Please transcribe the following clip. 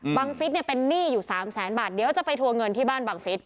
บังฟิศเนี้ยเป็นหนี้อยู่สามแสนบาทเดี๋ยวจะไปทวงเงินที่บ้านบังฟิศ